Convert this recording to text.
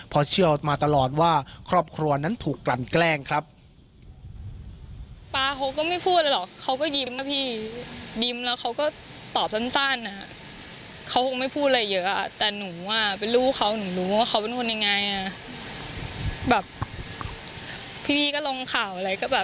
เพราะเชื่อมาตลอดว่าครอบครัวนั้นถูกกลั่นแกล้งครับ